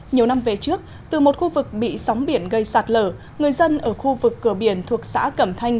nhiều năm về trước từ một khu vực bị sóng biển gây sạt lở người dân ở khu vực cửa biển thuộc xã cẩm thanh